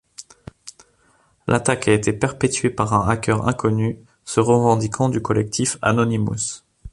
L'attaque a été perpétuée par un hacker inconnu se revendiquant du collectif Anonymous.